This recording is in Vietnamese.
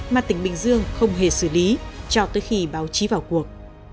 mà tỉnh bình dương không hề xử lý cho tới khi báo chí vào cuộc